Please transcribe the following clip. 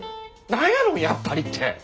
何やのやっぱりって。